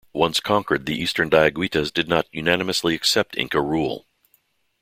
Once conquered the eastern Diaguitas did not unanimously accepted Inca rule.